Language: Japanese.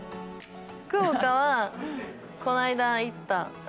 福岡はこの間行った。